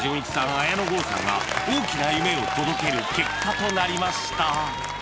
綾野剛さんが大きな夢を届ける結果となりました